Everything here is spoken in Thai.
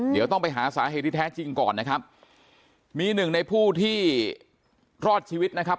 เดี๋ยวต้องไปหาสาเหตุที่แท้จริงก่อนนะครับมีหนึ่งในผู้ที่รอดชีวิตนะครับ